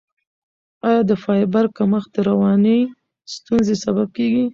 آیا د فایبر کمښت د رواني ستونزو سبب کیږي؟